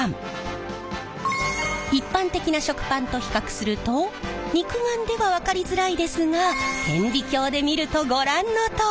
一般的な食パンと比較すると肉眼では分かりづらいですが顕微鏡で見るとご覧のとおり！